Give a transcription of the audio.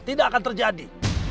tidak akan terjadi